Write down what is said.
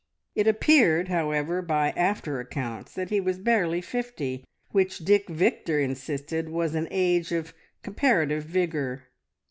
It appeared, however, by after accounts, that he was barely fifty, which Dick Victor insisted was an age of comparative vigour.